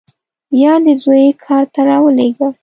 یا دې زوی کار ته راولېږه.